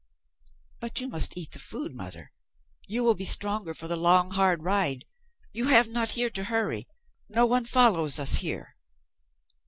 "But you must eat the food, mother. You will be stronger for the long, hard ride. You have not here to hurry. No one follows us here."